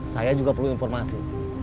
saya juga perlu informasi